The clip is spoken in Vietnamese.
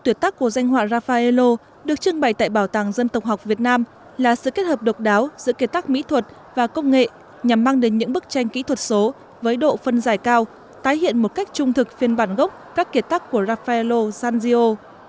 ba mươi năm tuyệt tác của danh họa raffaello được trưng bày tại bảo tàng dân tộc học việt nam là sự kết hợp độc đáo giữa kiệt tác mỹ thuật và công nghệ nhằm mang đến những bức tranh kỹ thuật số với độ phân giải cao tái hiện một cách trung thực phiên bản gốc các kiệt tác của raffaello san gio